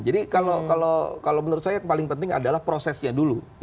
jadi kalau menurut saya paling penting adalah prosesnya dulu